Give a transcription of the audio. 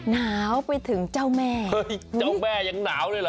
หนาวไปถึงเจ้าแม่เฮ้ยเจ้าแม่ยังหนาวเลยเหรอ